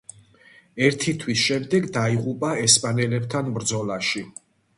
ერთი თვის შემდეგ დაიღუპა ესპანელებთან ბრძოლში.